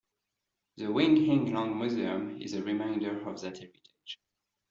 The Wing Hing Long Museum is a reminder of that heritage.